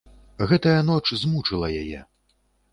Гэтая ноч змучыла яе.